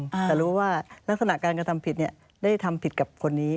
แต่รู้ว่ารักษณะการกระทำผิดเนี่ยได้ทำผิดกับคนนี้